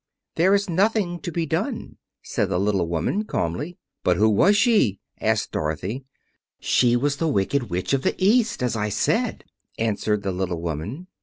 "There is nothing to be done," said the little woman calmly. "But who was she?" asked Dorothy. "She was the Wicked Witch of the East, as I said," answered the little woman.